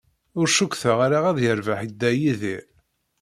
Ur cukkteɣ ara ad yerbeḥ Dda Yidir.